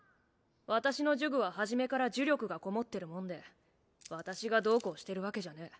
私の呪具は初めから呪力がこもってるもんで私がどうこうしてるわけじゃねぇ。